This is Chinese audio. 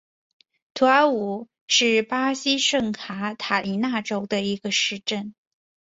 图尔武是巴西圣卡塔琳娜州的一个市镇。